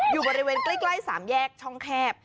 อยู่บริเวณใกล้๓แยกช่องแคบ